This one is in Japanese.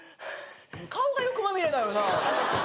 顔が欲まみれだよな。